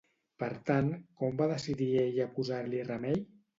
Per tant, com va decidir ella posar-li remei?